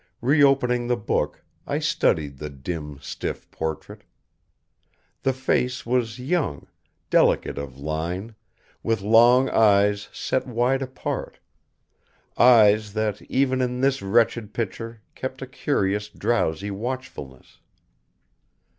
Reopening the book, I studied the dim, stiff portrait. The face was young, delicate of line, with long eyes set wide apart; eyes that even in this wretched picture kept a curious drowsy watchfulness.